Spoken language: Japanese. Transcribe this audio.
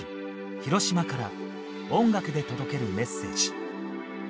広島から音楽で届けるメッセージ。